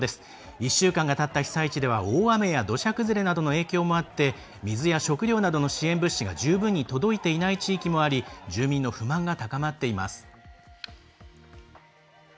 １週間がたった被災地では大雨、土砂崩れの影響もあり水や食料などの支援物資が十分に届いていない地域もあり住民の不満が高まっています。